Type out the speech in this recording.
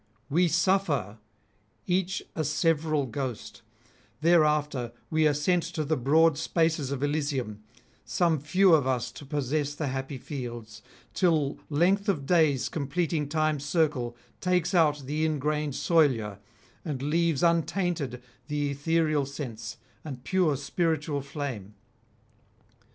We [743 777]suffer, each a several ghost; thereafter we are sent to the broad spaces of Elysium, some few of us to possess the happy fields; till length of days completing time's circle takes out the ingrained soilure and leaves untainted the ethereal sense and pure spiritual flame.